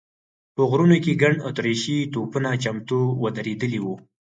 په غرونو کې ګڼ اتریشي توپونه چمتو ودرېدلي و.